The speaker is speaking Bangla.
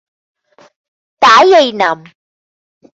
তাই এই নাম।